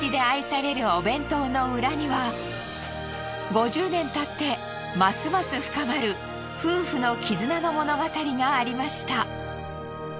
５０年経ってますます深まる夫婦の絆の物語がありました。